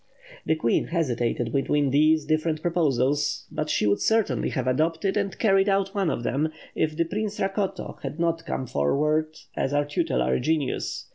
"The Queen hesitated between these different proposals; but she would certainly have adopted and carried out one of them, if the Prince Rakoto had not come forward as our tutelary genius.